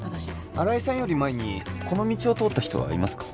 新井さんより前にこの道を通った人はいますか？